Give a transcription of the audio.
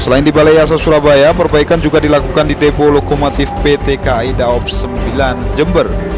selain di balai yasa surabaya perbaikan juga dilakukan di depo lokomotif pt kai daob sembilan jember